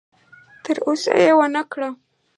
تر اوسه یې ونه کړه.